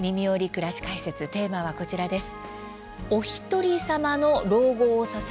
くらし解説」テーマは、こちらです。